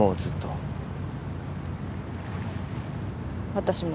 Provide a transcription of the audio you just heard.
私も。